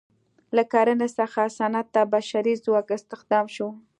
له کرنې څخه صنعت ته بشري ځواک استخدام شو.